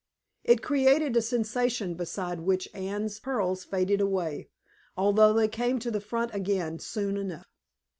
It created a sensation beside which Anne's pearls faded away, although they came to the front again soon enough.